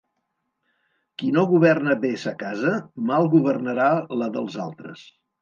Qui no governa bé sa casa, mal governarà la dels altres.